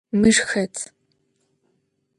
Mır xet?